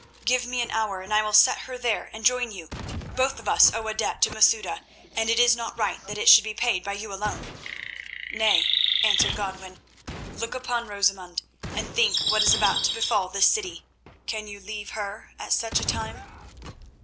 Give me an hour, and I will set her there and join you. Both of us owe a debt to Masouda, and it is not right that it should be paid by you alone." "Nay," answered Godwin; "look upon Rosamund, and think what is about to befall this city. Can you leave her at such a time?"